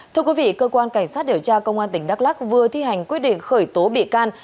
thưa quý vị cơ quan cảnh sát điều tra công an tỉnh đắk lắc vừa thi hành quyết định khởi tố bị can